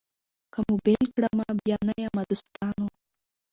که مو بېل کړمه بیا نه یمه دوستانو